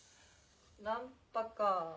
ナンパかぁ。